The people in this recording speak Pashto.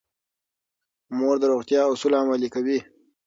مور د روغتیا اصول عملي کوي.